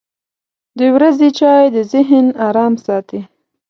• د ورځې چای د ذهن ارام ساتي.